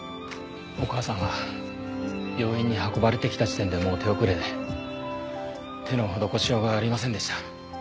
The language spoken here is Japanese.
お母さまは病院に運ばれてきた時点でもう手遅れで手の施しようがありませんでした